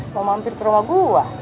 mau mampir ke rumah gua